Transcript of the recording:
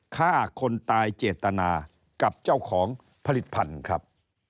ฆ่าคนตายเจตนากับเจ้าของผลิตภัณฑ์ครับ